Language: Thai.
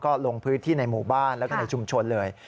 ก็ลงพื้นที่ในหมู่บ้านแล้วก็ในชุมชนเลย